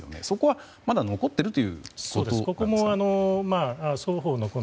そこは残っているということですか？